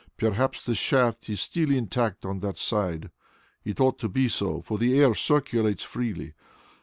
Perhaps the shaft is still intact on that side. It ought to be so, for the air circulates freely.